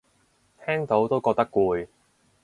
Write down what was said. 聽到都覺得攰